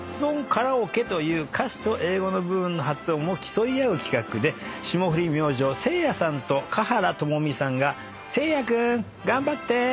カラオケという歌詞と英語の部分の発音を競い合う企画で霜降り明星せいやさんと華原朋美さんが「せいや君頑張って！」